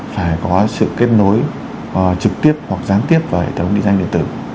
phải có sự kết nối trực tiếp hoặc gián tiếp vào hệ thống định danh điện tử